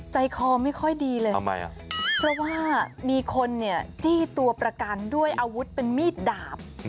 ใจคอไม่ค่อยดีเลยทำไมอ่ะเพราะว่ามีคนเนี่ยจี้ตัวประกันด้วยอาวุธเป็นมีดดาบ